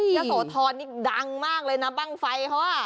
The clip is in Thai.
ยะโสธรนี่ดังมากเลยนะบ้างไฟเขาอ่ะ